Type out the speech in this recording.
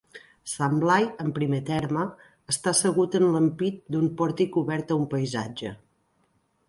Sant Blai, en primer terme, està assegut en l'ampit d'un pòrtic obert a un paisatge.